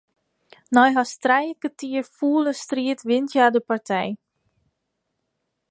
Nei hast trije kertier fûle striid wint hja de partij.